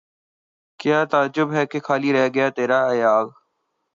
کیا تعجب ہے کہ خالی رہ گیا تیرا ایاغ